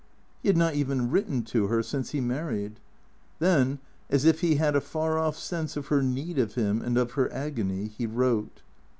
He had not even written to her since he married. Then, as if he had a far off sense of her need of him and of her agony, he wrote.